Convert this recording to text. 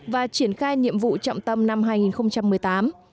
và triển khai nhiệm vụ trọng tâm năm hai nghìn một mươi tám